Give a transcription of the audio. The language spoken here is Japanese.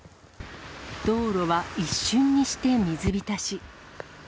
道路は一瞬にして水浸し。